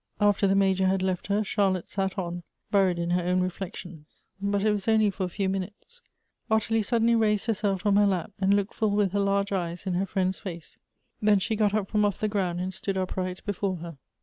After the Major had left her, Charlotte sat on, buried in her own reflections ; but it was only for a few minutes. Ottilie suddenly raised herself from her lap, and looked full with her large eyes in her friend's face. Then she got up from off the ground, and stood upright before her.